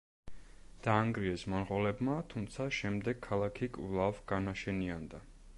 დაანგრიეს მონღოლებმა, თუმცა შემდეგ ქალაქი კვლავ განაშენიანდა.